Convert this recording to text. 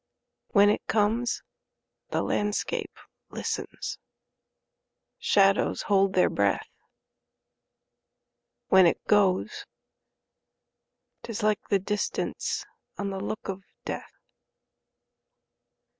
When it comes, the landscape listens, Shadows hold their breath; When it goes, 't is like the distanceOn the look of death.